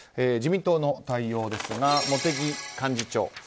自民党の対応ですが茂木幹事長。